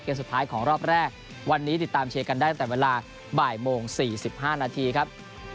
สุดท้ายของรอบแรกวันนี้ติดตามเชียร์กันได้ตั้งแต่เวลาบ่ายโมง๔๕นาทีครับ